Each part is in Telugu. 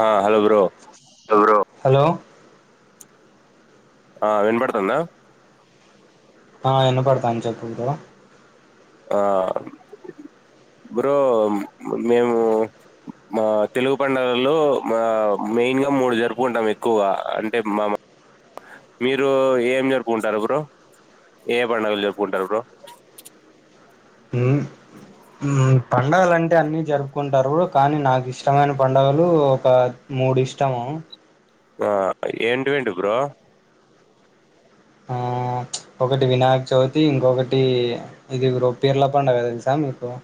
హా హలో బ్రో హలో ఆ వినపడుతుందా ఆ వినపడుతోంది చెప్పు బ్రో ఆ బ్రో మేము మా తెలుగు పండగలో మా మెయిన్గా మూడు జరుపుకుంటాం ఎక్కువగా అంటే మా మీరు ఏం జరుపుకుంటారు బ్రో ఏ పండగలు జరుపుకుంటారు బ్రో ఉమ్ ఉమ్ పండుగలు అంటే అన్ని జరుపుకుంటారు కానీ నాకు ఇష్టమైన పండుగలు ఒక మూడు ఇష్టము ఆ ఇంటివెంటివి బ్రో ఆ ఒకటి వినాయక్ చవితి ఇంకొకటి ఇది బ్రో పీర్ల పడుగ తెలుసా మీకు అ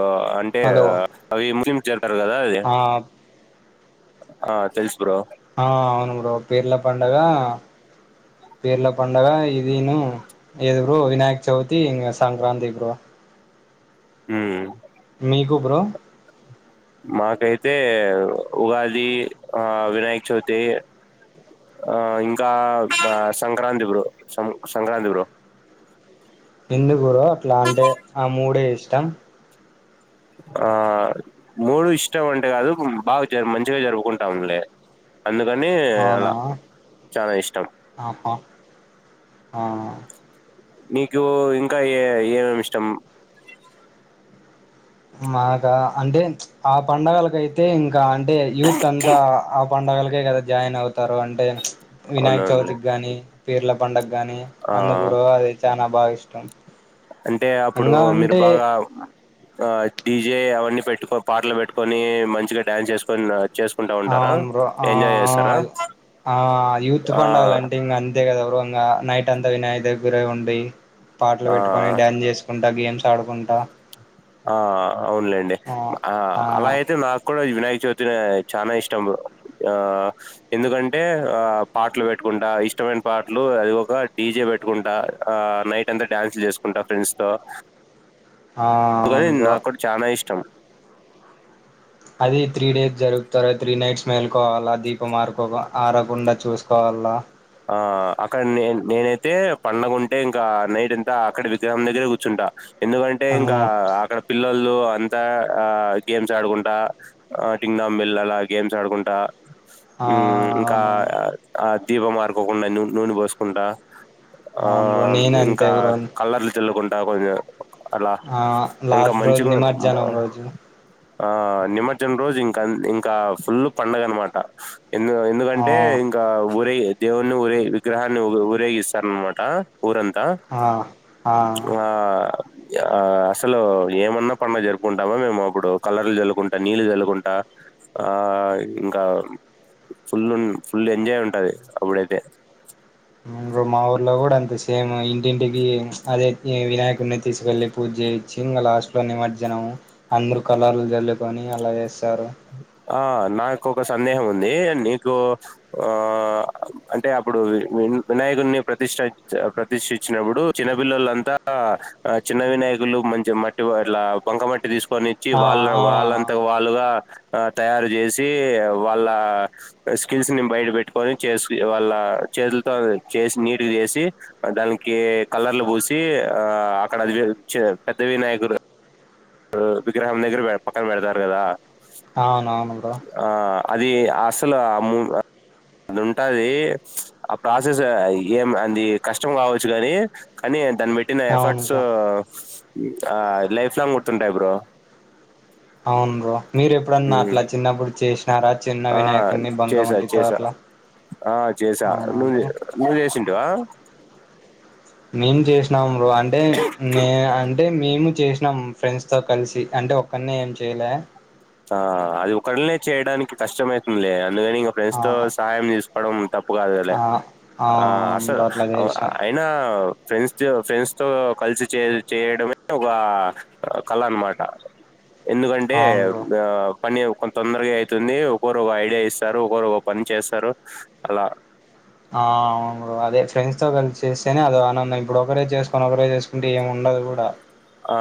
ఆ అంటే హలో అవి ముస్లింస్ చతారు కదా అది ఆ ఆ తెల్సు బ్రో ఆ అవును బ్రో పేర్ల పడుగ పీర్ల పడుగ ఇది ఏడుగురు వినాయక చవితి సంక్రాంతి గురు ఉమ్ మీకు బ్రో మాకైతే ఉగాది ఆ వినాయక చవితి ఆ ఇంకా సంక్రాంతి బ్రో సం సంక్రాంతి బ్రో ఎందు గురు అట్లా అంటే ఆ మూడే ఇష్టం ఆ మూడు ఇష్టం అంటే కాదు బాగా మంచిగా జరుపుకుంటాములే అందుకని అవునా అలా చాలా ఇష్టం ఆహా ఆ నీకు ఇంకా ఏ ఏమేమి ఇష్టం మాగా అంటే ఆ పండగలక అయితే ఇంకా అంటే యూత్ అంతా పండుగలకే కదా జాయిన్ అవుతారు అంటే వినాయక అవునవునులే చవితికి కానీ పీర్ల పండుగ కానీ ఆ అందుకర అది చాల బాగా ఇష్టం అంటే అప్పుడు ఇంగా మీరు అంటే బాగా, ఆ ఈ ఏ అవన్నీ పెట్టుకో, పాటలు పెట్టుకొని, మంచిగా డాన్స్ చేసుకొని చేసు అ అవును బ్రో. ఆ ఆ ఆ యూత్ ఆ పండగలు అంటే, ఇంక అంతే కదా బ్రో! ఇంగ నైట్ అంతా వినాయక దగ్గరే ఉండి, ఆ పాటలు పెట్టుకొని, డ్యాన్స్ చేసుకున్ ట గేమ్స్ ఆడుకుంటా, ఆ అవునులేండి. ఆ అలా అయితే, నాకు కూడ వినాయక చవితి నె చాన ఇష్టం బ్రో. ఆ ఎందుకంటే, ఆ పాటలు పెట్టుకుంటా, ఇష్టమైన పాటలు అది ఒక డీజే పెట్టుకుంటా, ఆ నైట్ అంతా డ్యాన్స్లు చేసుకుంటా ఫ్రెండ్స్ తో, ఆ అందుకని అవును బ్రో నాకు కూడా చానా ఇష్టం అది త్రీ డేస్ జరుపుతారా, త్రీ నైట్స్ మే కోవాలా దీపం ఆరుకో, ఆరకుండా చూసుకోవాల. ఆ అక్కడ నే నేనైతే, పండగ ఉంటే ఇంక నైట్ అంతా అక్కడ విగ్రహం దగ్గరే కూర్చుంటా. ఎందుకంటే, ఇంక అవును అక్కడ పిల్లొల్లు అంతా ఆ గేమ్స్ ఆడుకుంటా, డింగ్ డాంగ్ బెల్ అలా గేమ్స్ ఆడుకుంటా, ఆ మ్ ఇంకా, అవునవును ఆ దీపం ఆరుకోకుండా నూనె పోసుకుంటా, ఆ అవును బ్రో నేను అంతే ఇంకా బ్రో కల్లర్లు చల్లుకుంటా, కొంచెం అలా ఆ ఇంక లాస్ట్ రోజు మంచిగ నిమజ్జనం రోజు ఆ నిమజ్జనం రోజు ఇంక ఇంకా, ఫుల్ పండగనమాట. ఎందు ఆ ఎందుకంటే, ఇంక ఊరే దేవుణ్ణి ఊరే విగ్రహాన్ని ఊరేగిస్తారనమాట. ఊరంతా. ఆ ఆ ఆ అస్సలు ఏమన్న పండగ జరుపుకుంటామా మేము, అప్పుడు కలర్లు జల్లుకుంటా, నీళ్ళు జల్లుకుంటా, ఆ ఇంక ఫుల్ న్ ఫుల్ ఎంజాయ్ ఉంటది ఇంక. అబ్బుడైతే. మ్ బ్రో మా ఊర్లో కూడా అంతె సేమ్. ఇంటింటికి, అదే వినాయకుడిని తీసుకెళ్ళి పూజ చేయిచ్చి ఇంగ లాస్ట్ లో నిమజ్జనం. అందరుూ కలర్లు జల్లుకొని అలాగే స్ ఆ నాకు ఒక సందేహం ఉంది. దీ నీకు ఆ అంటే, అప్పుడు వినాయకుడిని ప్రతిష్ఠ ప్రతిష్టించినప్పుడు, చిన్నపిల్లలంతా చిన్న వినాయకులు మంచి మట్టి ఇట్లా బంక మట్టి తీసుకు కొనిచ్చి ఆ వాళ్ళ ఆ వాళ్ళంతకి వాళ్ళుగా, తయారుచేసి, వాళ్ళ స్కిల్స్ ని బయట పెట్టుకొని చేసి, వాళ్ళ చి చేతులతో చేసి, నీటుగ చేసి, దానికి కలర్లు పూసి ఆ అక్కడ అది పెద్ద వినాయకుడు, విగ్రహం దగ్గర పక్కన పెడతారు కదా! అవునవును బ్రో ఆ అది అసలు ఆ మొమ అది ఉంటాది. ఆ ప్రాసెస్ ఏం అది కష్టం కావచ్చు కాని, కానీ దాన్ని పెట్టిన అవును ఎఫర్ట్స్ బ్రో లైఫ్ లాంగ్ ఆ గుర్తుంటాయి బ్రో. అవును బ్రో. మీరు ఎప్పుడన్నా హ్మ్. అట్ల చిన్నప్పుడు చేసి, ఆ చేసా. చేసా. అట్లా ఆ చేసా. అవునా నువ్ చే బ్రో నువ్వు చేసిన్ తివా మేమ్ చేసినామ్ బ్రో. అంటే, మే అంటే మేము చేసినాం ఫ్రెండ్స్ తో కలిసి. అంటే, ఒక్కడినే ఏం చేయలే. ఆ అది ఒకళ్ల్దీనే చేయడానికి కష్టమైతుందిలే. ఎందుకనీ ఇంగ ఫ్రెండ్స్ ఆ తో సహయం తీసుకోవడం తప్పు కాదులె ఆ ఆ అవును అసలు బ్రో అట్లా చేసిన అయినా, ఫ్రెండ్స్ ఫ్రెండ్స్ తో కలిసి చే చేయడమే ఒక కళ అనమాట. ఎందుకంటే, అవును బ్రో ఆ పని కొ తొందరగా అయితుంది. ఒక్కోరు ఒగో ఐడియా ఇస్తారు. ఒక్కోరు ఒగో పని చేస్తారు అలా ఆ అవును బ్రో. అదే ఫ్రెండ్స్ తో కలిసి చేస్తేనే అదో ఆనందం. ఇప్పుడు ఒకరే చేసుకొని, ఒకరే చేసుకుంటే ఏమున్ ఉండదు కూడ. ఆ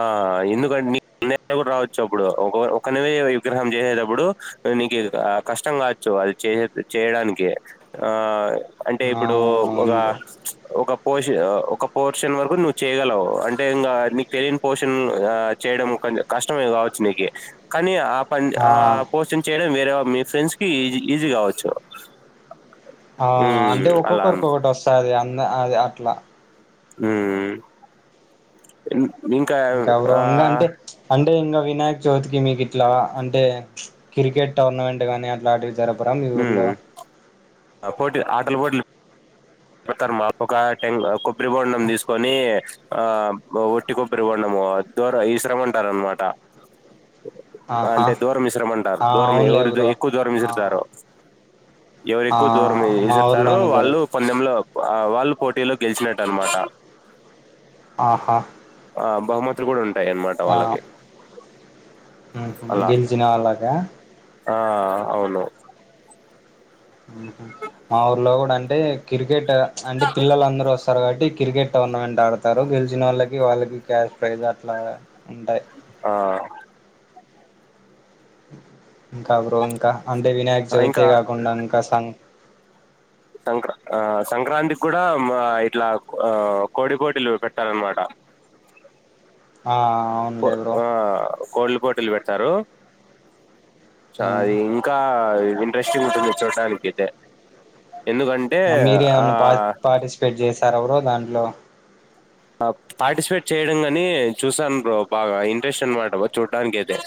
ఎందుకంటే, ని నె కూడ రావచ్చప్పుడు ఒక ఒకనివే విగ్రహం చేసేటప్పుడు, నీకు కష్టం కావచ్చు. అది చే చేయడానికి. ఆ అంటే ఆ ఇప్పుడు ఒక అవును బ్రో ఒక పోర్ష ఒక పోర్షన్ వరకు నువ్వు చేయగలవు అంటే ఇంకా తెలియని పోషన్ చేయడం కొంచం కష్టమే కావచ్చు నీకి కానీ ఆ పోస్టింగ్ చేయడం వేరే మీ ఫ్రెండ్స్ కి ఈజ ఈజీ కావచ్చు ఆ ఉమ్, అంటే అలా అన్న ఒక్కొక్కరికొక్కటి వస్తుంది అంద అది అట్లా హ్మ్మ్ గౌరవంగా అంటే అంటే అంటే ఇంకా వినాయక్ చవితికి మీకు ఇట్లా అంటే క్రికెట్ టోర్నమెంట్ గానీ అట్లావి జర జరపర మీ ఊర్లో పోటి ఆటలు పోట్లు తారు మాపగా ట కొబ్బరి బొండం తీసుకొని ఆ ఒట్టి కొబ్బరి బొండం ద్దోర ఈశ్రమ అంటార అనమాట అ అంటే దూరం మిశ్రమంటారు దూరం అవునులే ఎవరు బ్రో ఎక్కువ దూరం ఆ మిశ్రతారో ఆ ఎవరికి దూరం మా ఇసిర్తారుో ఊర్లోనూ వాళ్ళు జరగదు పందెంలో ఆ వాళ్ళు పోటీలో గెలిచినట్టు అనమాట ఆహా ఆ బహుమతులు కూడా ఉంట ఆ అలా గెలిచిన వలాక ఆ అవును మా ఊర్లో కూడా అంటే క్రికెట్ అంటే పిల్లలు అందరుూ వస్తారు కాబట్టి క్రికెట్ టోర్నమెంట్ ఆడతారు గెలిచిన వాళ్ళకి వాళ్ళకి క్యాష్ ప్రైజ్ అట్లా ఉంటాయి ఆ ఇంకా బ్రో ఇంకా అంటే వినాయక్ చవితే ఇంకా కాకుండా ఇంకా సం సంక్రా ఆ సంక్రాంతి కూడా ఇట్లా కోడి కోటిలు పెట్టాలనమాట ఆ అవునులే బ్రో ఆ కోల్ల పోటీలు పెట్టారు అది ఇంకా ఇంట్రెస్టింగ్ ఉంటది చూడానికి అయితే ఎందుకంటే మీరే ఆ ఏమన్నా పార్టిసిపేట్ చేసార బ్రో దాంట్లో పార్టిసిపేట్ చేయడం కాని చూసాను బాగా ఇంట్రెస్ట్ అనమాట చూడడానికి అదే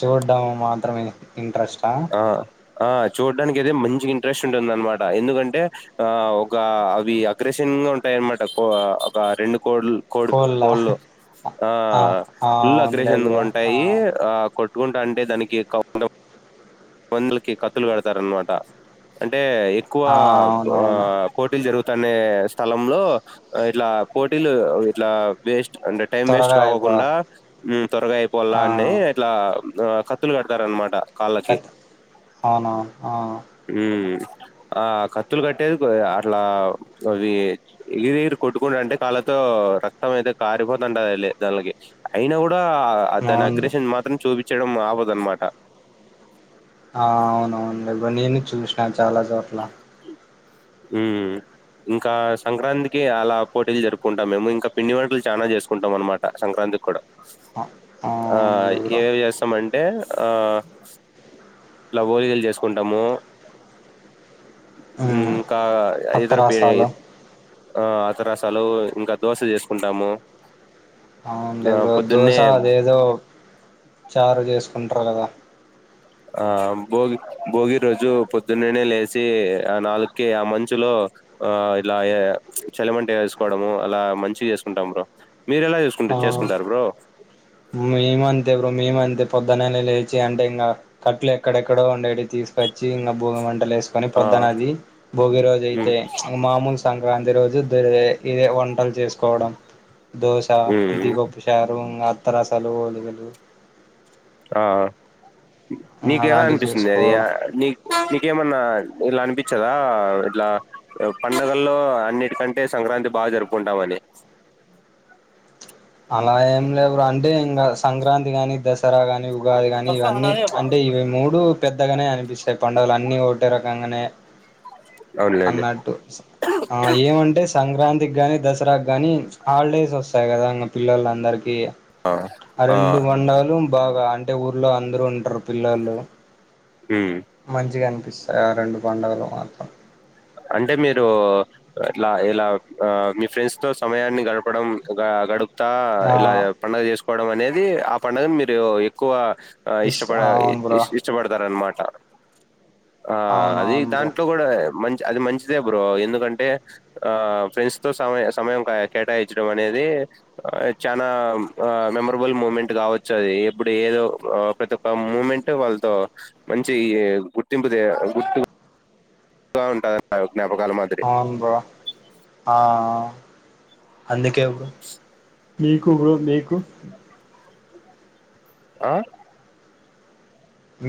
చూడ్డం మాత్రమే ఇంట్రెస్ట్ ఆ ఆ చూడటడానికి అయితే మంచి ఇంట్రెస్ట్ ఉంటుంది అనమాట ఎందుకంటే ఆ ఒక అవి అగ్రెసిన్ ఉంటాయి అన్నమాట ఒక రెండు కో కోడి కోళ్ళ కోళ్ళు ఆ ఫుల్ అవునులే అగ్రేసిన్ బ్రో ఆ ఉంటాయి ఆ పెట్టుకుంటా అంటే దానికి కొంద మందిలకి కత్తులు కడతారునమాట అంటే ఎక్కువ ఆ అవునవును పోటీలు జరుగుత తనే స్థలంలో ఇట్లా పోటీలు ఇట్లా వేస్ట్ అంటే టైం వేస్ట్ త్వరగా అయిపో కాకోకుండా త్వరగా అయిపోల ఆ అన్ని అట్లా ఆ కత్తులు కడతారనమాట కాళ్ళకి అవునా ఆ హ్మ్ ఆ కత్తులు కట్టేది అట్లా అవి ఎగిరి ఎగిరి కొట్టుకుంట అంటే కాళ్ళతో రక్తం అయితే కారిపోతుంటది దానికి అయినా కూడా కూడా దాని అవును అగ్రేషన్ మాత్రం చూపించడం ఆవదు అనమాట ఆ అవునవునుో నేను చూసినాను చాలా చోట్ల హ్మ్మ్ ఇంకా సంక్రాంతికి అలా పోటీలు జరుపుకుంటాం మేము ఇంకా పిండి వంటకలు చాలనా చేసుకుంటాం అనమాట సంక్రాంతికి కూడా ఆ ఆ అవునులే బ్రో ఏమిమి చేస్తామంటే ఆ ఇలా వోలిగలు చేసుకుంటాము ఉమ్ ఇంకా ఇ తరపే అత్తరసాలు ఆ అతరసాలు ఇంకా దోశ చేసుకుంటాము ఆ అవునుడిప్పు్రో దోశ పొద్దున్నే అదేదో చారు చేసుకుంటారు కదా ఆ భోగి భోగి రోజు పొద్దున్ననే లేచి ఆ నాలుకిే ఆ మంచులో ఆ ఇలా చలమంట వేసుకోవడము అలా మంచి చేసుకుంటాం బ్రో మీరు ఎలా ఆ చేసుకుంటారు చేసుకుంటారు బ్రో మేమంతే ఇప్పుడు మేము అంతే పొద్న లేచి అంటే ఇంకా కట్లు ఎక్కడెక్కడో ఉండేవి తీసుకొచ్చి ఇంకా భోగ అంట బట్టలు వేసుకొని ఆ పొద్దునది భోగి రోజు ఉమ్ అయితే మామూలు సంక్రాంతి రోజు ద ఇదే వంటలు చేసుకోవడం దోశ ఉమ్ పిదిపప్పు చారు తరాశాలు లుగలు ఆ నీకు ఎలా అలాంటివి అనిపిస్తుంది అది చేసుకోవడం నీ నీకేమన్నా ఇట్లా అనిపించదా ఇట్లా పండుగల్లో అన్నిటికంటే సంక్రాంతి బాగా జరుపుకుంటామ అని అలా ఏం లేవురు అంటే ఇంకా సంక్రాంతి కాగాని దశ సరా గాని ఉగాది గాని ఇవన్నీ అంటే ఇవి మూడు పెద్దగానే అనిపి స పండుగ అన్నీ ఓటిరక అనే అవునులేండి అన్నట్టు ఆ ఏమంటే సంక్రాంతి గానీ దసరా గానీ హాలిడేస్ వస్తాయి కదా ఇంకా పిల్లలందరికీ ఆ ఆ రెండు వడాలు బాగా అంటే ఊర్లో అందరుూ ఉంటారు పిల్లలు ఉమ్ మంచిగా అనిపిస్తాయి ఆ రెండు పడుగలు మాత్రం అంటే మీరు ఇట్లా ఇలా ఆ మీ ఫ్రెండ్స్ తో సమయాన్ని గడపడం గడుపు త్త ఆ ఇలా పండుగ చేసుకోవడం అనేది ఆ పడుగ మీరు ఎక్కువ ఆ ఇష్ ఇష్టపడ అవును ఇ బ్రో ఇష్టపడతార అన్మాట ఆ అవును అది అవును బ్రో దాంట్లో కూడా మంచి అది మంచిదే బ్రో ఎందుకంటే ఆ ఫ్రెండ్స్ తో సమ సమయం కేటాయించడం అనేది చనాా మెమరబుల్ మూమెంట్ కావచ్చు అది ఇప్పుడు ఏదో ప్రతి ఒక్క మూమెంట్ వాళ్ళతో మంచి గుర్తింపు గుర్ బాగుంటుందిన్న య [unintelligible] అవును బా ఆ అందుకే ఇ మీకు ఇ మీకు ఆ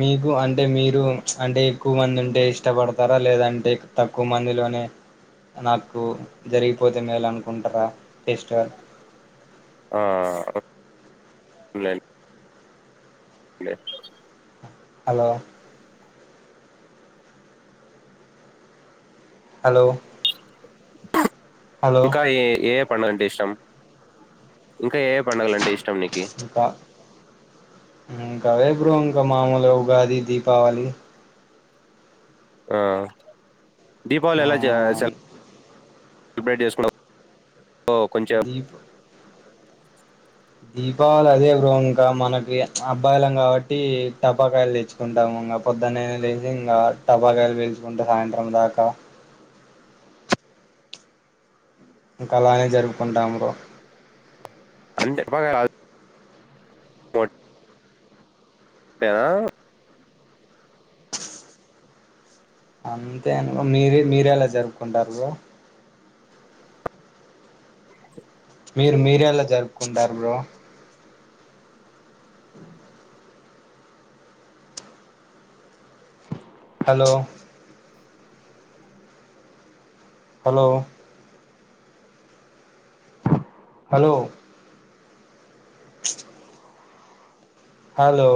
మీకు అంటే మీరు అంటే ఎక్కువమంది మంది ఉంటే ఇష్టపడతారా లేదంటే తక్కువ మందిలోనే నాకు జరిగిపోతే మేాల మేల్ అనుకుంటారా పేస్టర్ మెన్ రే హలో హలో హలో ఇంకా ఏ ఏ పడుగ అంటే ఇష్టం ఇంకా ఏ పడుగల అంటే ఇష్టం నీకి ఇకాంకావే పపు్రవంక మామూలు ఉగాది దీపావళి ఆ దీపావళి ఆ ఎలా చ వెల్బ్రైడ్ేస్ క్లబ్ [unintelligible] దీప్ దీప లాయర్ బ్రో ఇంకా ఇంకా పొద్దున్న లేసి ఇంకా టబాకాయలు పల్చుకుంటే సాయంత్రం దాకా ఇంకా అలానే జరుపుకుంటాం బ్రో అంతే బ కోట్ ఆ అంతే అనుగా మీరే మీర ఎలా జరుపుకుంటారు మీరు మీర ఎలా జరుపుకుంటారు bro hello hello hello hello